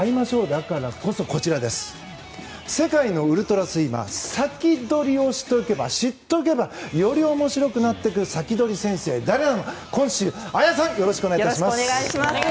だからこそこちら世界のウルトラスイマーを先取りをしておけば知っておけばより面白くなっていくサキドリ先生綾さん、よろしくお願いします。